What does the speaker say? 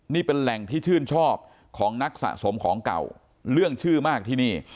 นี่เป็นแหล่งที่ชื่นชอบของนักสะสมของเก่าเรื่องชื่อมากที่นี่